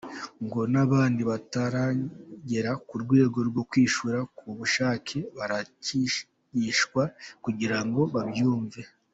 Ngo n’abandi bataragera ku rwego rwo kwishyura ku bushake baracyigishwa kugira ngo babyumve.